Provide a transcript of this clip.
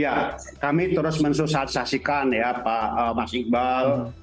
ya kami terus mensosialisasikan ya pak mas iqbal